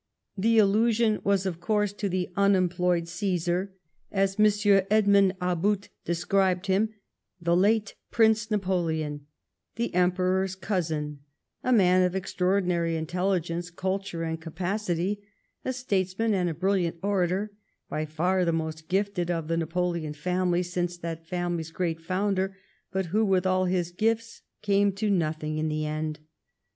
The allusion was, of course, to the " unemployed Caesar," as Monsieur Edmond About described him, the late Prince Napoleon, the Emperor s cousin, a man of extraordinary intel lect, culture, and capacity, a statesman and a brill iant orator, by far the most gifted of the Napoleon family since that family's great founder, but who with all his gifts came to nothing in the end.